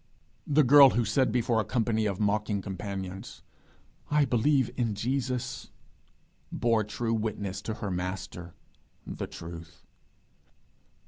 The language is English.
The girl who said before a company of mocking companions, 'I believe in Jesus,' bore true witness to her Master, the Truth.